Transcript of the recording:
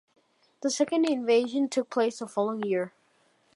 The second invasion took place the following year.